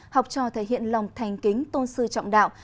học trò thể hiện lòng thành kính tôn sư trọng đạo